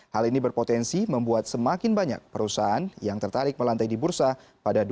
hal ini berpotensi membuat semakin banyak perusahaan yang tertarik melantai di bursa pada dua ribu dua puluh